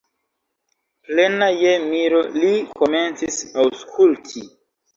Plena je miro, li komencis aŭskulti.